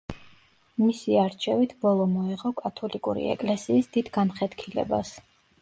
მისი არჩევით ბოლო მოეღო კათოლიკური ეკლესიის დიდ განხეთქილებას.